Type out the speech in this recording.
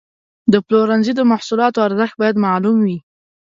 د پلورنځي د محصولاتو ارزښت باید معلوم وي.